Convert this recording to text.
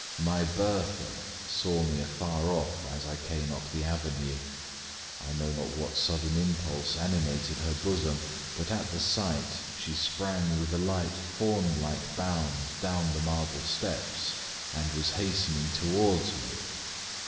My Bertha saw me afar off, as I came up the avenue. I know not what sudden impulse animated her bosom, but at the sight, she sprung with a light fawn like bound down the marble steps, and was hastening towards me.